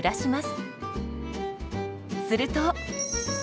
すると。